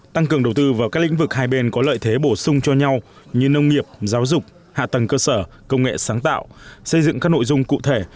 tăng cường đầu tư vào các lĩnh vực hai bên có lợi thế bổ sung cho nhau như nông nghiệp giáo dục hạ tầng cơ sở công nghệ sáng tạo xây dựng các nội dung cụ thể